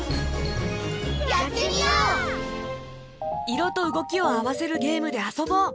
いろとうごきをあわせるゲームであそぼう！